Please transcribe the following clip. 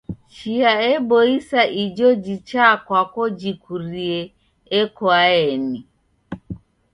Chia eboisa ijo jichaa kwako jikurie ekoaeni.